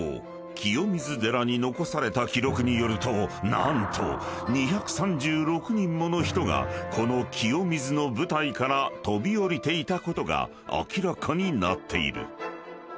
清水寺に残された記録によると何と２３６人もの人がこの清水の舞台から飛び降りていたことが明らかになっている］